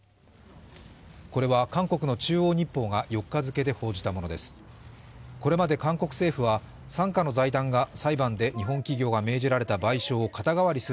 これは韓国の「中央日報」が４日付で報じたものです。